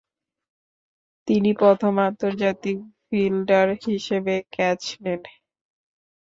তিনি প্রথম আন্তর্জাতিক ফিল্ডার হিসেবে ক্যাচ নেন।